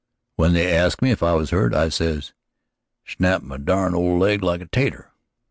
When they asked me if I was hurt, I says, 'He snapped my dern old leg like a 'tater.'